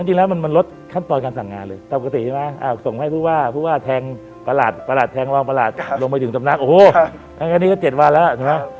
จริงแล้วมันลดขั้นตอนการสั่งงานเลยต่อปกติส่งให้ทางประหลาดลงไปถึงจำนักโอ้โหอันนี้ก็๗วันแล้ว